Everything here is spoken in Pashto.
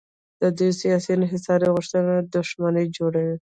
د دوی سیاسي انحصار غوښتل دښمني جوړوي.